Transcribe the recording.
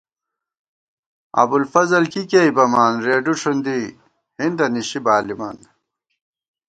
ابُوالفضل کی کېئی بَمان رېڈُو ݭُنڈی ہِندہ نِشِی بالِمان